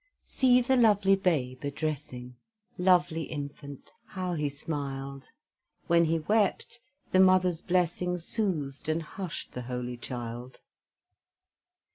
See the lovely babe a dressing; Lovely infant, how He smiled! When He wept, the mother's blessing Soothed and hushed the holy child.